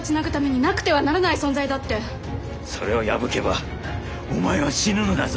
それを破けばお前は死ぬのだぞ。